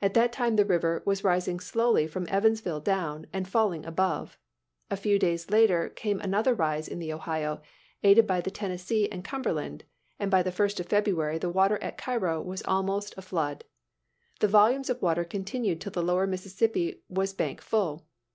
At that time the river was rising slowly from Evansville down, and falling above. A few days later came another rise in the Ohio, aided by the Tennessee and Cumberland, and by the 1st of February the water at Cairo was almost a flood. The volumes of water continued till the lower Mississippi was bank full.